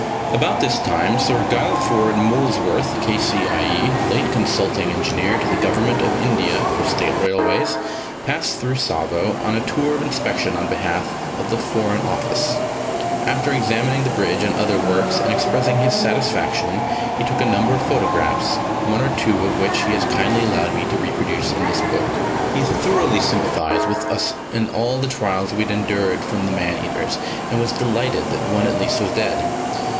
About this time Sir Guilford Molesworth, K.C.I.E., late Consulting Engineer to the Government of India for State Railways, passed through Tsavo on a tour of inspection on behalf of the Foreign Office. After examining the bridge and other works and expressing his satisfaction, he took a number of photographs, one or two of which he has kindly allowed me to reproduce in this book. He thoroughly sympathised with us in all the trials we had endured from the man eaters, and was delighted that one at least was dead.